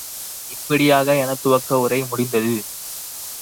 இப்படியாக என் துவக்க உரை முடிந்தது.